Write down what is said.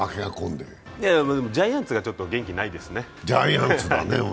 でもジャイアンツがちょっと元気ないですね。